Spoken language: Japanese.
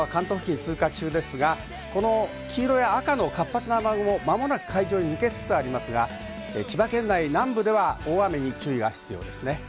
雨雲は関東付近、通過中ですが、この黄色や赤の活発な雨雲もまもなく海上に抜けつつありますが、千葉県内南部では大雨に注意が必要ですね。